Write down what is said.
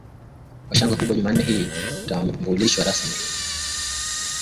kwa shangwe kubwa Jumanne hii na kutambulishwa rasmi kupitia kipindi cha Leo Tena kilichorushwa